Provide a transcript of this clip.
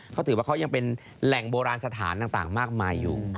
เขาถือว่าเขายังเป็นแหล่งโบราณสถานต่างมากมายอยู่